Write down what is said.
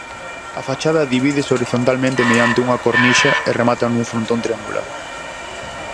A fachada divídese horizontalmente mediante unha cornixa e remata nun frontón triangular.